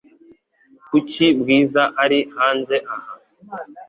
Kuki Bwiza ari hanze aha?